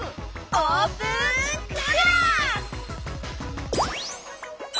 「オープンクラス！」。